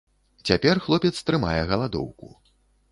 Цяпер хлопец трымае галадоўку.